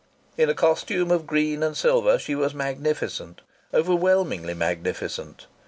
In a costume of green and silver she was magnificent, overwhelmingly magnificent.